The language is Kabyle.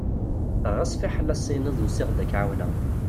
Ɣas fiḥel ad s-tiniḍ usiɣ-d ad k-εawneɣ.